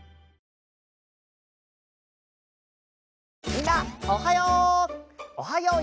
みんなおはよう！